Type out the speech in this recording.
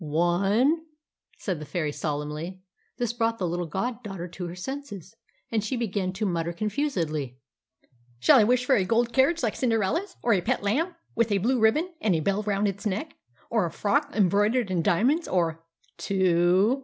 "One!" said the fairy solemnly. This brought the little goddaughter to her senses, and she began to mutter confusedly "Shall I wish for a gold carriage, like Cinderella's, or a pet lamb, with a blue ribbon and a bell round its neck, or a frock embroidered in diamonds, or " "Two!"